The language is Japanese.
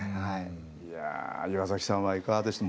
いや岩崎さんはいかがでした？